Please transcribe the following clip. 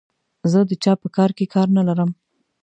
زه د چا په کار کې کار نه لرم.